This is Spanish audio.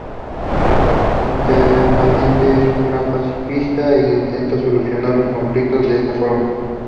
Internamente es un gran pacifista e intenta solucionar los conflictos de esta forma.